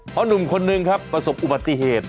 เพราะหนุ่มคนนึงครับประสบอุบัติเหตุ